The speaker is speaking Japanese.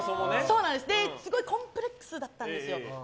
すごいコンプレックスだったんですよ。